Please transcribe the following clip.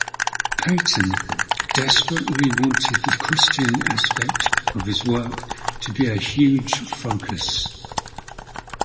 Paton desperately wanted the Christian aspect of his work to be a huge focus.